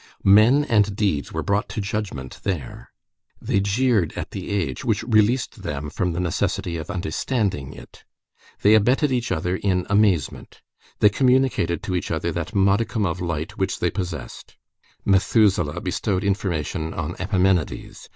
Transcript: Men and deeds were brought to judgment there. They jeered at the age, which released them from the necessity of understanding it. They abetted each other in amazement. They communicated to each other that modicum of light which they possessed. Methuselah bestowed information on Epimenides.